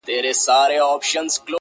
پر بګړۍ به وي زلمیو ګل ټومبلي-